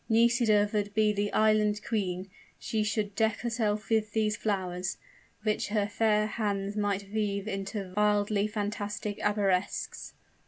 Nisida would be the island queen; she should deck herself with these flowers, which her fair hands might weave into wildly fantastic arabesques!